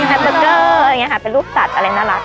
แฮปเบอร์เกอร์อะไรอย่างนี้ค่ะเป็นรูปสัตว์อะไรน่ารัก